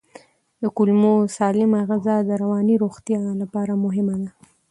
د کولمو سالمه غذا د رواني روغتیا لپاره مهمه ده.